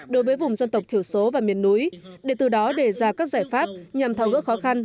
đối với vùng dân tộc thiểu số và miền núi để từ đó đề ra các giải pháp nhằm tháo gỡ khó khăn